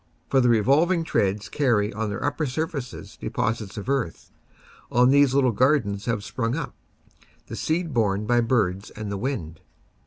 For the revolving treads carry on their upper surfaces deposits of earth; on these little gar dens have sprung up, the seed borne by birds and the wind.